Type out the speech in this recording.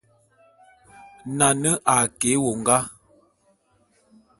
Nane a ke éwongá.